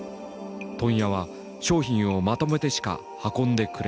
「問屋は商品をまとめてしか運んでくれない。